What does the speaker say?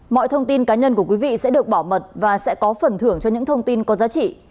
mọi thông tin cá nhân của quý vị sẽ được bảo mật và sẽ có phần thưởng cho những thông tin có giá trị